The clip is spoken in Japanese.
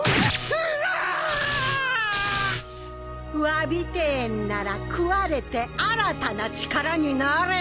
わびてえんなら食われて新たな力になれ！